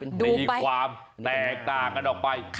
ในความแตกตากันออกไป